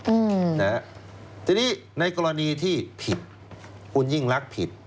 อืมนะฮะทีนี้ในกรณีที่ผิดคุณยิ่งรักผิด